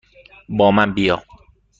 با من بیا!